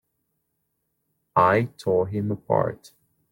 I tore him apart!